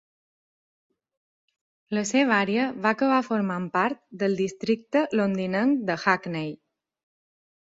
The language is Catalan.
La seva àrea va acabar formant part del districte londinenc de Hackney.